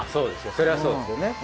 そりゃそうですよね。